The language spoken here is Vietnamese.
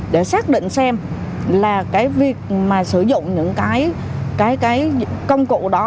để xác định xem là việc sử dụng những công cụ đó